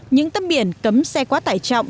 những tấm biển cấm xe quá tải trọng